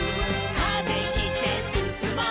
「風切ってすすもう」